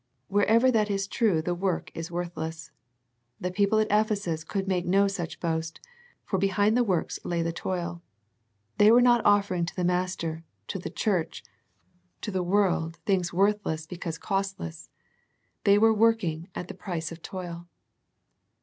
Wherever that is true the work is worthless. These people at Ephesus could make no such boast, for behind the works lay the toil. They were not offering to the Master, to the church, to the world things worthless The Ephesus Letter 37 because costless. They were working at the price of toil.